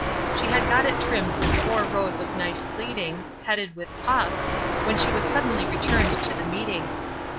She had got it trimmed with four rows of knife pleating, headed with puffs, when she was suddenly returned to the meeting.